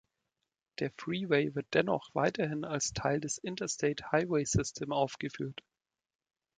Der Freeway wird dennoch weiterhin als Teil des Interstate Highway System aufgeführt.